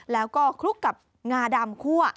แล้วก็คลุกกับงาดำคั่ว